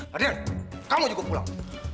hadirin kamu juga pulang